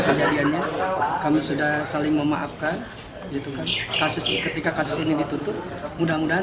kejadiannya kami sudah saling memaafkan gitu kan kasus ketika kasus ini ditutup mudah mudahan